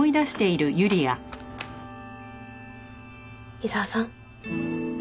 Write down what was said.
伊沢さん？